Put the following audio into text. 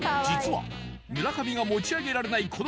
実は村上が持ち上げられない